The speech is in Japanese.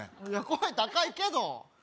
声高いけど！